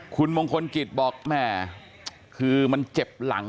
คุณมงคลกิจบอกแหม่คือมันเจ็บหลัง